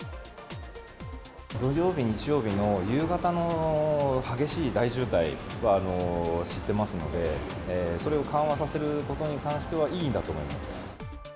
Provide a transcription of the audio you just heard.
土曜日、日曜日の夕方の激しい大渋滞は知ってますので、それを緩和させることに関しては、いいんだと思います。